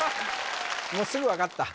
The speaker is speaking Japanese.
もうすぐ分かった？